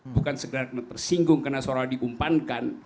bukan segera tersinggung karena seorang dikumpankan